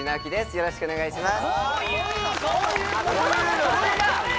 よろしくお願いします